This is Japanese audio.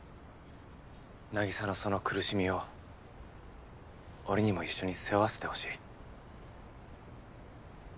凪沙のその苦しみを俺にも一緒に背負わせてほしい。